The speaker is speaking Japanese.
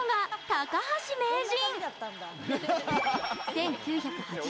高橋名人！